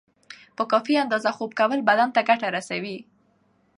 په کافی اندازه خوب کول بدن ته ګټه رسوی